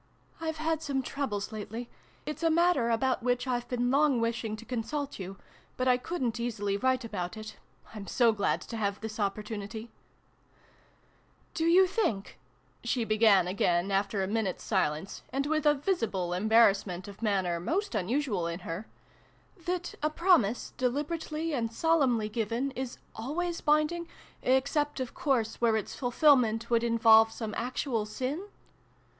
" I've had some troubles lately. It's a matter about which I've been long wishing to consult you, but I couldn't easily write about it. I'm so glad to have this opportunity !"" Do you think," she began again, after a minute's silence, and with a visible embarrass ment of manner most unusual in her, " that a promise, deliberately and solemnly given, is always binding except, of course, where its fulfilment would involve some actual sin